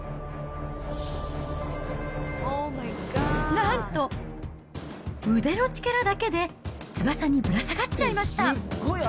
なんと、腕の力だけで翼にぶら下がっちゃいました。